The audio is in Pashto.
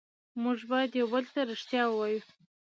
موږ باید یو بل ته ریښتیا ووایو